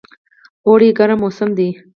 اوړی ګرم موسم دی